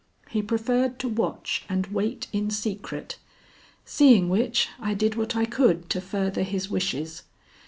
He preferred to watch and wait in secret, seeing which, I did what I could to further his wishes.